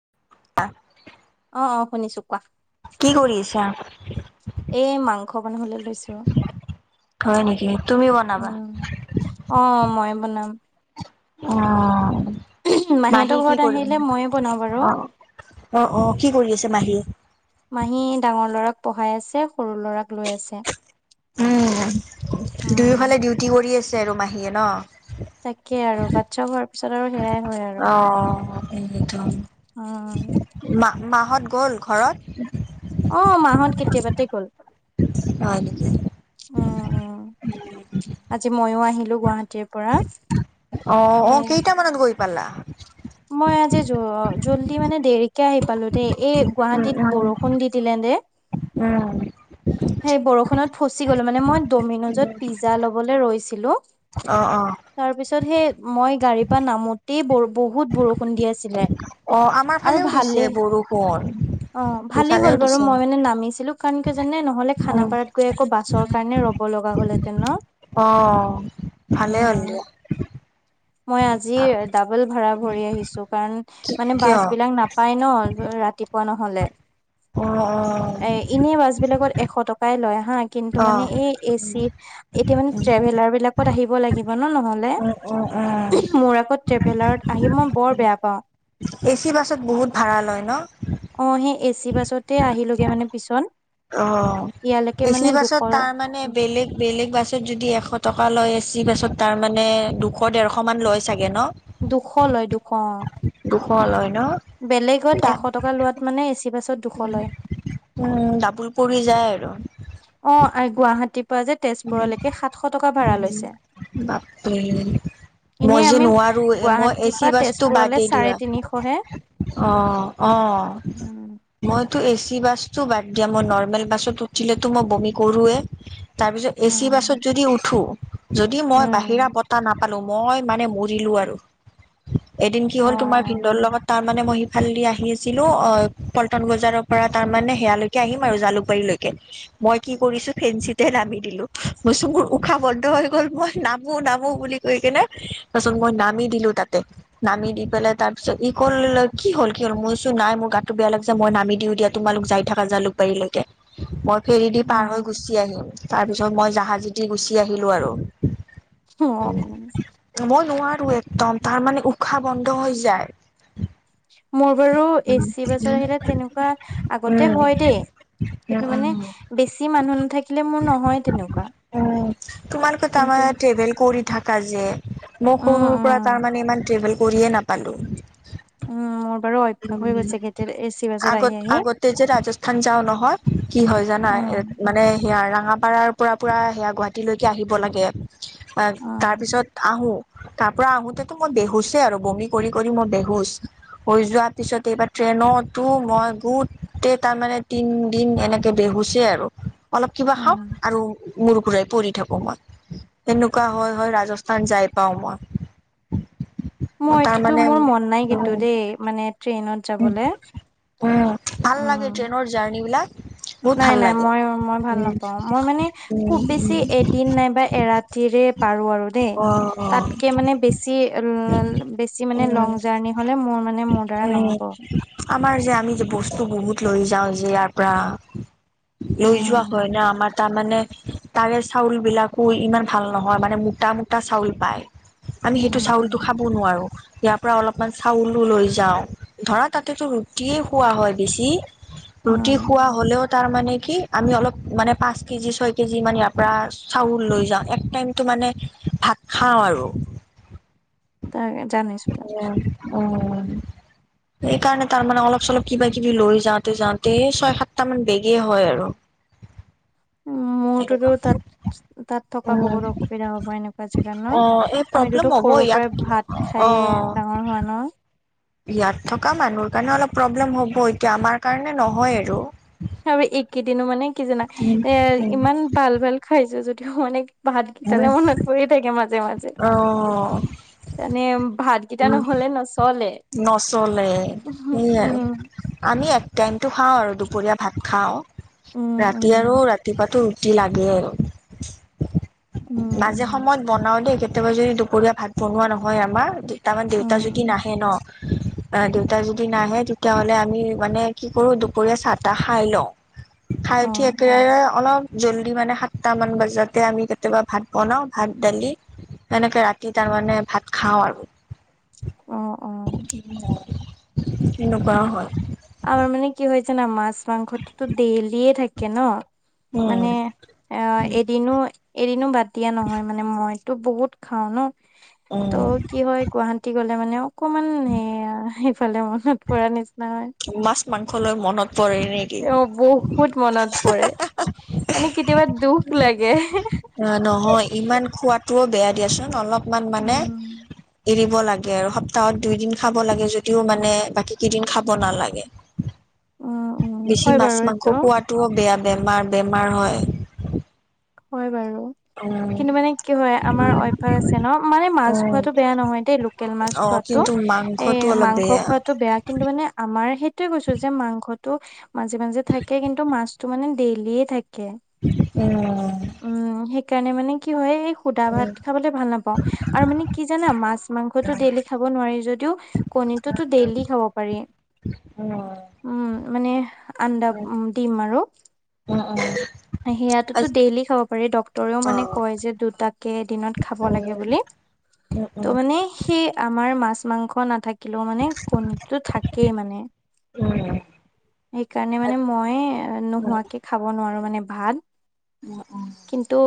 [inaudible] অ-অ শুনিছো কোৱা? কি কৰি [unintelligible] এই মাংস বনাবলে লৈছো। হয় নেকি? তুমি বনাবা? উম, অ' মই বনাম অ' মাহী মাহীহঁতৰ কি ঘৰত আহিলে কৰিম ময়ে বনাওঁ বাৰু অ' অ-অ কি কৰি আছে মাহীয়ে? মাহী ডাঙৰ লৰাক পঢ়াই আছে সৰু লৰাক লৈ আছে। উম, উম দুয়োফালে ডিউটি কৰি আছে আৰু মাহীয়ে ন। তাকে আৰু বাতছা হোৱাৰ পিছত আৰু সেয়াই হয় আৰু। অ অ', মা হত গ'ল ঘৰত? অ' মাহত কেতিয়াবাতে গ'ল। হয় নেকি? উম-উম আজি ময়ো আহিলো গুৱাহাটীৰ পৰা। এ অ-অ কেইটা মানত গৈ পালা? মই আজি জল্দি মানে দেৰিকে আহি পালো দেই। এই উম, গুৱাহাটীত উম, বৰষুণ দি দিলে দে। উম, সেই বৰষুণত ফচি গলো মানে মই ড'মিনজত পিজ্জা লবলৈ ৰৈছিলো। অ', অ', তাৰ পিছত সেই মই গাড়ীৰ পৰা নামোতেই ব বহুত বৰষুণ দি আছিলে। অ' আমাৰ আৰু ফালেও ভালে দিছে বৰষুণ। অ' ভালেই ইফালেও হ'ল বাৰু দিছে। মই মানে নামিছিলো কাৰণ ক জানে নহলে উম। খানাপাৰাত গৈ আকৌ বাছৰ কাৰণে ৰ'ব লগা হলহেতেন। অ' ভালে হ'ল দিয়া। মই আজি ডাবল ভাঢ়া ভৰি আহিছো কাৰণ কি মানে বাছ কিয়? বিলাক নাপাই ন। ৰাতিপুৱা নহলে অ', অ'। এ এনে বাছ বিলাকত এশ টকাই লৈ হা কিন্তু মানে অ', এই এচি এতিয়া মানে উম। ট্ৰেভেলাৰ বিলাকত আহিব লাগিব। নহলে উম, উম, উম। মোৰ আকৌ ট্ৰেভেলাৰত আহি মই বৰ বেয়া পাও। এ চি বাছত বহুত ভাঢ়া লয় ন। অ সেই এচি বাছটে আহিলোগে মানে পিছত। অ' ইয়ালৈকে এচি মানে দুশ বাছত তাৰ মানে বেলেগ-বেলেগ বাছত যদি এশ টকা টকা লৈ এছি বাছত তাৰ মানে দুশ দেৰশ মান লয় চাগে। ন? দুশ লয় দুশ অ', দুশ লয়। ন? বেলেগত দা এশ টকা লোৱাত মানে এচি বাছত দুশ লয় উম, ডাবুল পৰি যায় আৰু। অ গুৱাহাটীৰ পৰা যে উম-উম তেজপুৰলৈকে সাতশ টকা ভাড়া লৈছে বাপৰে। মই এনেই যে আমি নোৱাৰো এ মই গুৱাহাটীৰ এচি পৰা বাছটো তেজপুৰলে বাদেই চাৰে দিয়া। তিনিশহে অ-অ উম মই এ চি বাছতো বাদ দিয়া মই নৰ্মেল বাছত উঠিলেতো মই বমি কৰোৱে। তাৰ পিছত এচি বাছত যদি উঠো যদি মই বাহিৰা উম বতাহ নাপ। পালো মই মানে মৰিলো আৰু এদিন কি অ হ'ল তোমাৰ ভিনদৰ লগত তাৰ তাৰ মানে মই সিফালদি আহি আছিলো অ' পল্টন বজাৰৰ পৰা তাৰমানানে সেয়ালৈকে আহিম আৰু জালুকবাৰীলৈকে। মই কি কৰিছো ফেন তে নামি দিলো মচুুৰ উশাহ বন্ধ হৈ গল মই নামো নামো বুলি কৈ কিনে মই নামি দিলো তাতে নামি দি পেলাই তাৰ পিছত ই কল কি হল কি হল মই নাই মোৰ গাতটো বেয়া লাগ ছে মই নামি দিওঁ দিয়া তোমালোক যায় থাকা যা লোকবাৰীলৈকে মই ফেৰি দি অ পাৰ হৈ গুচি আহিম তাৰ পিছত মই জাহাজ দি গুচি আহিলোঁ আৰু অ টো একদম তাৰ মানে উশাহ বন্ধ হৈ যায় মোৰ বাৰু এচি বাছত আহিলে তেনেকুৱা আগতে উম হয় দেই উম কিন্তু উম মানে বেছি মানুহ নাথাকিলে মোৰ নহয় তেনেকুৱা উম তোমাৰোকত কিন্তু আমাৰ ট্ৰেভেল কৰি থাকা যে মই উম সৰুৰ পৰা উম তাৰ মানে ইমান ট্ৰেভেল কৰিয়ে নাপালো উম মোৰ বাৰু অভ্যাস হৈ উম গৈছে কেইতি আগত আগতে যে ৰাজস্থান যাও নহয় কি হয় জানা উম, মানে সেয়া মাপাৰাৰ পৰা পূৰা সেয়া গুৱাহাটীলৈকে আহিব লাগে উম, তাৰপিছত আহোঁ তাৰ পৰা আহোতে মই বেহুচই আৰু বমি কৰি কৰি মই বেহুচ হৈ যোৱা তাৰপিছত এইবাৰ ট্ৰেইনতো মই গোটেই তাৰমানে তিন দিন এনেকে বেহুছে আৰু অলপ কিবা উম। খাওক আৰু মৰ্কুৰে পৰি থাকো মই তেেনেকুৱা হয় হয় ৰাজস্থান যাই পাও মই মই তাৰ এইটোতো মোৰ মন নাই কিন্তু দেই মানে ট্ৰেইনত যাবলে। উ ভাল লাগে উম, ট্ৰেইনৰ জাৰ্ণ বিলাক বহুত নাই ভাল নাই লাগে মই মই ভাল উম নাপাও মই মানে উম খুব বেছি উম এদিন নাইবা এ ৰাতি প আৰু দেই অ অ তাতকে মানে বেছি বেছি মানে ল উম জ হ'লে মোৰ মানে মোৰ দ্বাৰা উম নহ'ব। আমাৰ যে আমি যে বস্তু বহুত লৈ যাওঁ যে ইয়াৰ পৰা লৈ যোৱা হয় ন উম, আমাৰ তাৰমানানে তাৰে চাউল বিলাকো ইমান ভাল নহয় মানে মোটা মোটা চাউল পায় আমি সেইটো উম, উম, চাউলটো খাব নোৱাৰো ইয়াৰ পৰা অলপমান চাউলো লৈ যাওঁ ধৰা তাতেতো ৰুটিয়ে খোৱা হয় বেছি উম, ৰুটি খোৱা হ'লেও তাৰ মানে কি আমি অলপ ম পচ কেজিয় কেজি মান ইয়াৰ পৰা চাউল লৈ যা মানে ভাত খাওঁ আৰু [unintelligible] জানিছো জানছো উম সেইকাৰণে তাৰমানানে অলপ চলপ কিবা কিবি লৈ যাওঁতে যাওঁতে ছয় সাতটা মান বেগে হয় আৰু উম মোতো এনেকুৱা তাত তাত থকা উম বহুত অসুবিধা হব এনেকুৱা জেগা অ এই প্ৰব্লেম আমিতোো হ'ব সৰুৰ পৰা ইয়াত ভাত অ খায়ে ডাঙৰ হোৱা ন ইয়াত থকা মানুহৰ কাৰণে অলপ প্ৰব্লেম হ'ব এতিয়া আমাৰ কাৰণে নহয় আৰু আৰু এইকেইদিনো মানে কি জানা উম এ উম ইমান ভাল ভাল খাইছো যদিও মানে ভাত হয় কেইটালে মনত পৰি থাকে মাজে মাজে অ এানে এতিয়া উম, নহ'লে ন চলে নচলে সেই আৰু আনি এক টাইমতটো খাওঁ আৰু দুপৰীয়া ভাত খাওঁ উম, ৰাতি আৰু উম, ৰাতিপুৱাাতটো লাগে আৰু উম, মাজে উম, সময়ত বনাও দেই কেতিয়াবা যদি দুপৰীয়া ভাত বনোৱা নহয় আমাৰ তাৰামান দেউতা উম, যদি নাহে ন দেউতা যদি নাহে তেতিয়াাহলে আমি মানে কি কৰো দুপৰীয়া চাহ তাহ খাই লওঁ খাই উঠি অ', একোৰে অলপ জল্দি মানে সাতটা মান বজাতে আমি কেতিয়াবা ভাত বনাওঁ ভাত দালি এনেকে ৰাতি তাৰমানে ভাত খাওঁ আৰু অ অ'। এনেকুৱাও হয় আমাৰ মানে কি হৈ হৈছে না মাছ মাংসটোটো ডেইলি থাকে ন উম মানে অ এদিনো এদিনো বাদ দিয়া নহয় মানে মই বহুত খাও ন ত উম কি হয় গুৱাহাটী গলে মানে অকণমান উম সিফালে মনত পৰা নিচিনা হয় মাছ মাংস লৈ মনত পৰে নেকি তেওঁ বহুত মনত পৰে মানে কেতিয়াবা দুখ লাগে অ নহয় ইমান খোৱাাতটোও বেয়া দিয়াচোন অলপমান মানে উম। এৰি লাগে আৰু সপ্তাহত দুই দিন খাব লাগে যদিও মানে বাকী কেইদিন খাব নালাগে উম উম বেছি হয় মাছ বাৰু মাংস সেইটো পোৱাটোও বেয়া বেমাৰ বেমাৰ হয় হয় বাৰু উম। কিন্তু মানে কি হয় আমাৰ অভ্যাস আছে ন মানে মাছ উম, খোৱাটো বেয়া নহয় দেই লোকেল মাছ অ' খোৱাটো কিন্তু এ মাংসটো অলপ মাংস বেয়া খোৱটো বেয়া কিন্তু মানে আমাৰ সেইটোয়ে কৈছো যে মাংস টো মাজে মাজে থাকে কিন্তু মাছতটো মানে ডেইলিয়ে থাকে উম। উম সেইকাৰণে মানে কি হয় সুদা উম ভাত খাবলে ভাল নাপাওঁ আৰু মানে কি জানা মাছ মাংসটো ডেইলি খাব নোৱাৰি যদিও কনীৰটোতো ডেইলি খাব পাৰি [inaudible] উম মানে আন্দা দিম আৰু অ-অ সেয়াটোটো ডেইলি খাব পাৰি ড্ক্তৰেও মানে কয় যে দুটাকে এদিনত খাব লাগে বুলি উম উম উম ত মানে সেই আমাৰ মাছ মাছ মাংস নাথাকিলেও মানে কণীতটো থাকেই মানে উম, সেইকাৰণে মানে মই নোহোৱাকে খাব নোৱাৰো মানে ভাত কিন্তু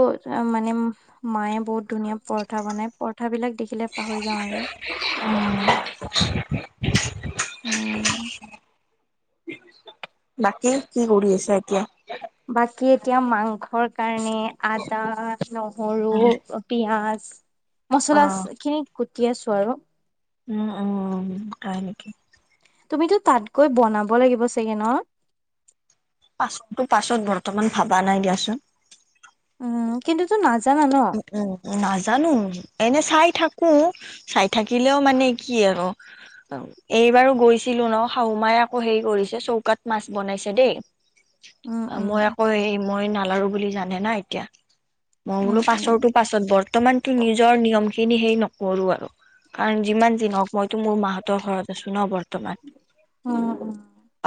মানে মায়ে বহুত ধুনীয়া পৰঠা বনাই, পৰঠা বিলাক দেখিলে পাহৰি যাওঁ আৰু [inaudible] উম বাকী কি কৰি আছা? এতিয়া, বাকী এতিয়া মাংসৰ কাৰ মানে আদা, নহৰু, পিয়াজ, মচলা খিনি কুটি আছো আৰু উম-উম তাই নেকি তুমিতো তাতকৈ বনাব লাগিব চাগে ন পাছততো পাছত বৰ্তমান ভবা নাই দিয়াচোন উম, কিন্তু তো নাজানা ন নাজানো এনে চাই থাকো চাই থাকিলেও মানে কি আৰু এইবাৰো গৈছিলো ন শাহু মাই আকৌ হেৰি কৰিছে চৌকাত মাছ বনাইছে দেই উম উম মই আকৌ এই মই নালাৰো বুলি জানে না এতিয়া উম-উম বছৰৰ পাছত বৰ্তমানতো নিজৰ নিয়ম খিনি সেই নক কৰো আৰু কাৰণ যিমান যিনহওক মইতো মোৰ মাহঁতৰ ঘৰত আছো ন বৰ বৰ্তমান উম উম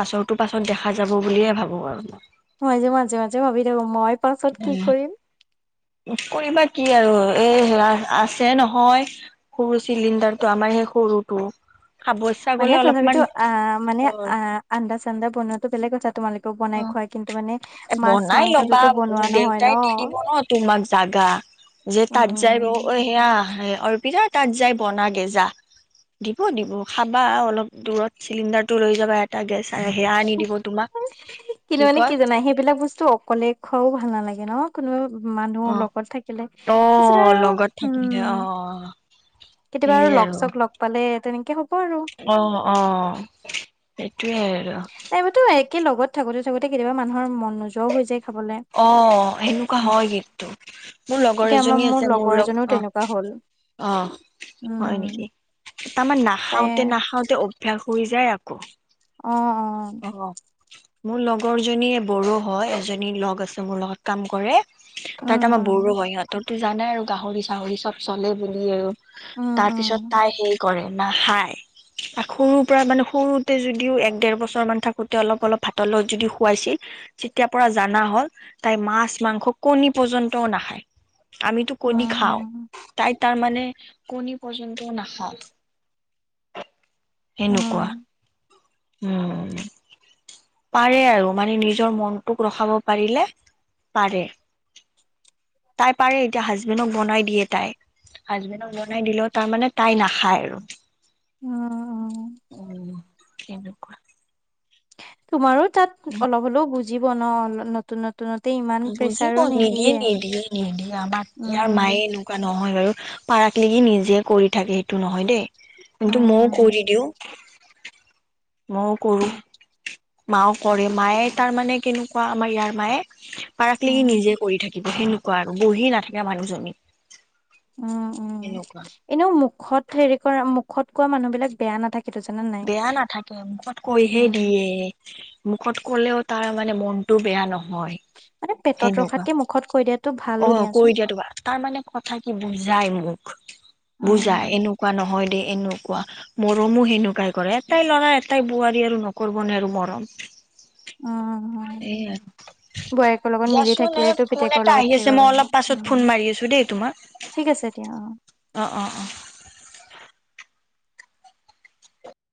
পাছৰটো পাছত দেখা যাব বুলিয়ে ভাবো আৰু মই মই যে মাজে মাজে ভাবি থাকো, মই পাছত কি কৰিম কৰিবা কি আৰু এয়া আছে নহয় সৰু চিলিণ্ডাৰটো আমাৰ সেই সৰু ফটো মানে তথাপিতো আ মানে হয় আ আ্ন্দা চান্দা বনোৱাতো বেলেগ কথা তোমালোকে টো বনাই খুৱাই কিন্তু মানে এ মাছ বনাই ল'বা মাংসটোতো বনোৱা নহয় ন দেউতাই দি দিব ন তোমাক জাগা যে তাত যাই ব উম সেয়া অ, পিঠা তাত যাই বনা গেজা দিব-দিব খাবা অলপ দূৰত চিলিণ্ডাৰটো লৈ যাবা এটা গেছ সেয়া আ নি দিব তোমাক কিন্তু মানে কি জাই, সেইবিলাক বস্তু অকলে খুৱও ভাল নালাগে ন কোনোবা মানুহ অ লগত থাকিলে অ তচৰা লগত থাকিলে উম অ কেতিয়াবা আৰু লগ চ লগ পালে তেনেকে হ'ব আৰু অ-অ নাইবাতো একে লগত থাকোতে-থাকোতে কেতিয়াবা মানুহৰ মন নোযোৱাও হৈ যায় খাবলে অ, সেনেকুৱা উম হয় কিন্তু মোৰ লগৰ এতিয়া আমাৰ এজনী আছে, মোৰ লগৰ লগ এজনীও অ তেনেকুৱা হ'ল অ হয় উম নেকি, তাৰমানান তাই নাখাওতে নাখাওঁতে অভ্যাস হৈ যায় আকৌ অ অ অ, মোৰ লগৰ জনী বড়ো হয়। এজনী লগ আছে মোৰ লগত কাম কৰে তাত উম আমাৰ উম বড়ো ভহঁতৰো জানাই আৰু গাহৰি চাহৰি চব চলে বুলি আৰু উম তাৰ পিছত তাই সে কৰে খায় সৰুৰ পৰা মানে সৰুতে যদিও একেৰ বছৰ থাকোতে অলপ অলপ ভাতৰ যদি খুৱাইছিল তেতিয়া পৰা জানা হ'ল তাই মাছ মাংস কণী পৰ্যন্তও নাখায় আমিতো কণী উম উম খাওঁ তাই তাৰ মানে কণী পৰ্যন্ত নাখা উম উম এনেকুৱা উম পাৰে আৰু মানে নিজৰ মনটোক ৰখাব পাৰিলে পাৰে তাই পাৰে এতিয়া হাজবেণ্ডক বনাই দিয়ে তাই হাজবেণ্ডক বনাই দিলেও তাৰমানে তাই নাখায় আৰু উম উম উম কেনেকুৱা তোমাৰো তাত অলপ হলেও বুজিব ন নতুন নতুন বুজিব নিদিয়ে নিদিয়ে নিদিয়ে আমাৰ ইয়াৰ উম, মায়ে এনেকুৱা নহয় বাৰু পাৰাক লিকি নিজে কৰি থাকে সেইটো নহয় দেই কিন্তু মইও কৰি উম, দিওঁ মৌ কৰো মাও কৰে মায়ে তাৰ মানে কেনেকুৱা আমাৰ ইয়াৰ মায়ে পাৰাক লিকি উম, নিজে কৰি থাকে থাকিব সেনেকুৱা আৰু বহি নাথাকে মানুহজনী উম উম সেনেকুৱা এনেও মুখত হেৰি কৰা মুখত কোৱা মানুহ বিলাক বেয়া নাথাকে বেয়া নাথাকে মুখত কৈহে উম, দিয়ে মুখত কলেও তাৰ মানে মনটো বেয়া নহয় মানে পেটত সেনেকুৱা ৰখাতকে মুখত কৈ দিয়াতো ভালো অ কৰি দিয়াচোন। দিয়া তোমাৰ তাৰ মানে কথা কি বুজাই মোক বুজা উম, এনেকুৱা নহয় দেই এনেকুৱা মৰমো সেনেকুৱা কৰে এটাই ল'ৰা এটাই বোৱাৰী আৰু নকৰিবনে আৰু মৰম উম এ বোৱাৰীয়েকৰ লগত মিলি দিয়াচোন এই থাকিলেতো ফোন পিতেকৰ এটা আহি লগত থাকিব আছে মই পাৰিব অলপ পাছত উম ফোন মাৰি আছো দেই তোমাক ঠিক আছে দিয়া অ অ অ অ